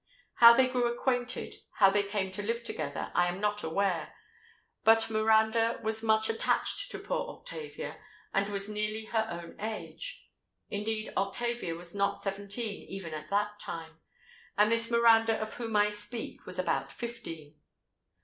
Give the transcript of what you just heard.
How they grew acquainted—how they came to live together, I am not aware: but Miranda was much attached to poor Octavia, and was nearly her own age. Indeed Octavia was not seventeen even at that time; and this Miranda of whom I speak, was about fifteen.